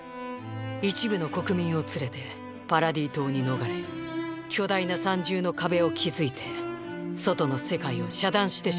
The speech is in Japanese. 一部の国民を連れてパラディ島に逃れ巨大な三重の壁を築いて外の世界を遮断してしまったのです。